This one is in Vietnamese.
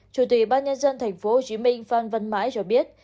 chủ tịch ban nhân dân tp hcm phan văn mãi cho biết